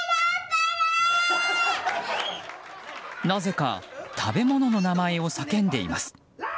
なぜか、食べ物の名前を叫んでいます。